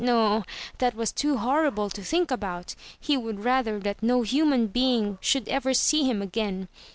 No, that was too horrible to think about. He would rather that no human being should ever see him again.